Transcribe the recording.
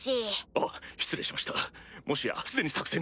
あっ失礼しましたもしや既に作戦が？